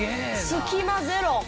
隙間ゼロ。